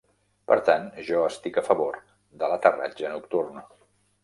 Per tant, jo estic a favor de l'aterratge nocturn.